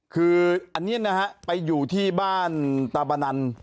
คืออันนี้นะฮะไปอยู่ที่บ้านตาบานัน